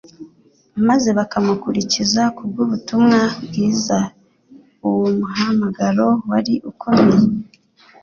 maze bakamukurikira kubw'ubutumwa bwiza, uwo muhamagaro wari ukomeye.